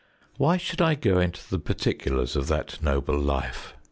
Why should I go into the particulars of that noble life?